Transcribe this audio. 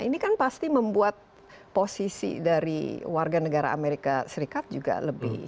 ini kan pasti membuat posisi dari warga negara amerika serikat juga lebih